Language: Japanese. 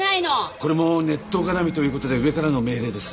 これもネット絡みという事で上からの命令です。